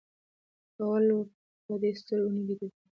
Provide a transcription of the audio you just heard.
اولو په عادي سترګو نه لیدل کېږي.